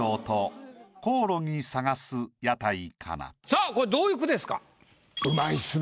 さぁこれどういう句ですか？